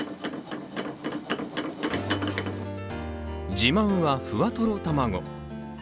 自慢はふわとろたまご。